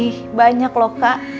ih banyak loh kak